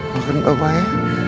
maafkan bapak ya